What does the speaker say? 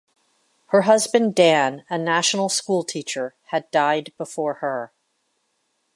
Her husband Dan, a national school teacher, had died before her.